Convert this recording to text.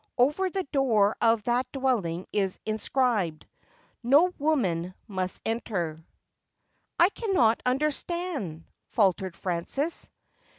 Over the door of that dwelling is inscribed, " no woman must enter." '' I cannot understand,' faltered Frances.